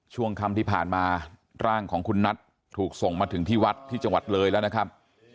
ช่วงคำที่ผ่านมาร่างของคุณนัทถูกส่งมาถึงที่วัดที่จังหวัดเลยแล้วนะครับ